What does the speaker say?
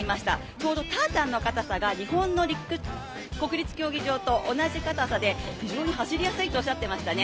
ちょうどタータンの堅さが日本の国立競技場と同じ堅さで非常に走りやすいとおっしゃっていましたね。